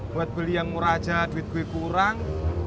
buat beli yang murah aja duit duit kurang